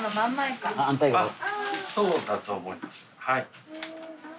はい。